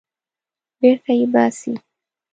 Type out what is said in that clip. بېرته یې باسي.